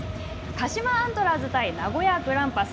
鹿島アントラーズ対名古屋グランパス。